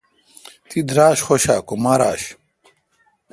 تی دراش خوش آں کہ ماراش؟